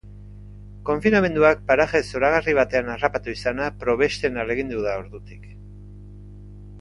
Konfinamenduak paraje zoragarri batean harrapatu izana probesten ahalegindu da ordutik.